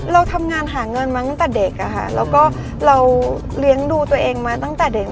เราทำงานหาเงินมาตั้งแต่เด็กอะค่ะแล้วก็เราเลี้ยงดูตัวเองมาตั้งแต่เด็ก